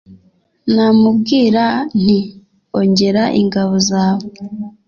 namubwira nti 'ongera ingabo zawe